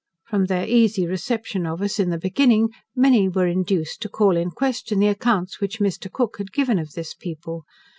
From their easy reception of us in the beginning, many were induced to call in question the accounts which Mr. Cook had given of this people.